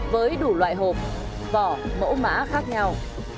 với đủ loại hộp vỏ mẫu mã khác nhau